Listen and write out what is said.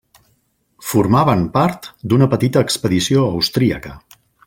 Formaven part d'una petita expedició austríaca.